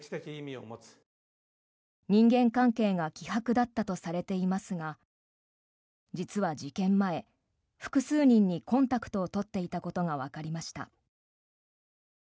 人間関係が希薄だったとされていますが実は事件前、複数人にコンタクトを取っていたことがわかりました。